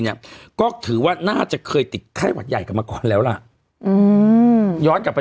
เนี่ยก็ถือว่าน่าจะเคยติดไข้หวัดใหญ่กลับมาก่อนแล้วล่ะอืมย้อนกลับไป